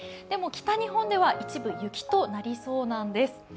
でも北日本では一部、雪となりそうなんです。